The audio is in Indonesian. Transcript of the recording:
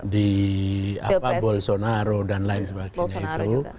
di bolsonaro dan lain sebagainya itu